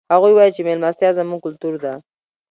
هغوی وایي چې مېلمستیا زموږ کلتور ده